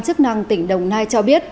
cơ quan chức năng tỉnh đồng nai cho biết